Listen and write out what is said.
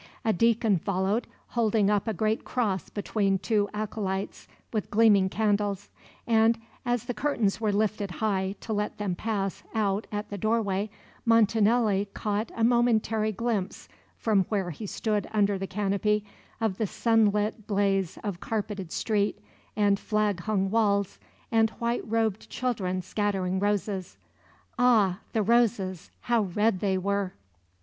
A deacon followed, holding up a great cross between two acolytes with gleaming candles; and as the curtains were lifted high to let them pass out at the doorway, Montanelli caught a momentary glimpse, from where he stood under the canopy, of the sunlit blaze of carpeted street and flag hung walls and white robed children scattering roses. Ah, the roses; how red they were!